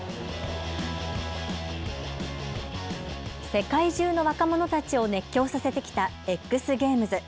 世界中の若者たちを熱狂させてきたＸゲームズ。